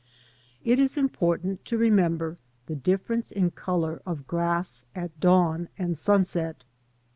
It is important to remember the difference in colour of grass at dawn jind sunset.